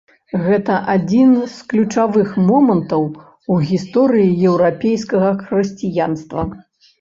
Гэта адзін з ключавых момантаў у гісторыі еўрапейскага хрысціянства.